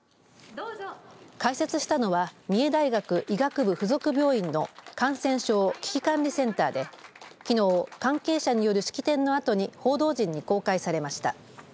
開設したのは三重大学医学部付属病院の感染症危機管理センターできのう関係者による式典のあとに報道陣に公開されました。